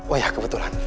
oh ya kebetulan